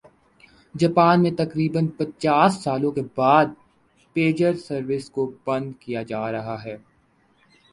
Japan میں تقریبا ًپچيس سالوں کے بعد پیجر سروس کو بند کیا جا رہا ہے